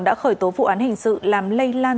đã khởi tố vụ án hình sự làm lây lan